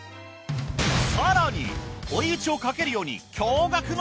更に追い打ちをかけるように。